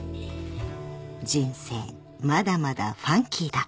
［人生まだまだファンキーだ］